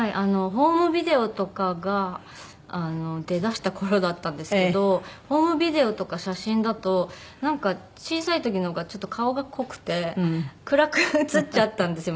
ホームビデオとかが出だした頃だったんですけどホームビデオとか写真だとなんか小さい時の方がちょっと顔が濃くて暗く写っちゃったんですよ